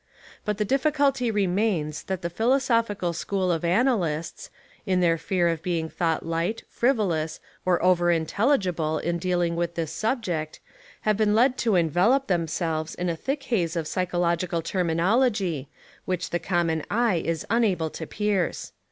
But the difficulty remains that the philosophical school of analysts, in their fear of being thought light, frivolous, or over intelligible in dealing with this subject have been led to envelop themselves in a thick haze of psychological terminology which the common eye Is unable to pierce.